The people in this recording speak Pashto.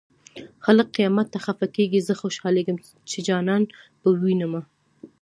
خلک قيامت ته خفه کيږي زه خوشالېږم چې جانان به ووينمه